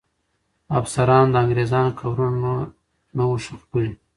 افسرانو د انګریزانو قبرونه نه وو ښخ کړي.